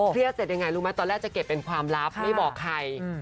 เสร็จยังไงรู้ไหมตอนแรกจะเก็บเป็นความลับไม่บอกใคร